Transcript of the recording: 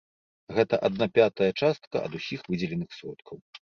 Гэта адна пятая частка ад усіх выдзеленых сродкаў.